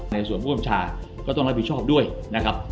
ในส่วนภูมิชาก็ต้องรับผิดชอบด้วยนะครับ